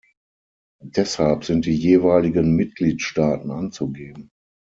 Deshalb sind die jeweiligen Mitgliedstaaten anzugeben.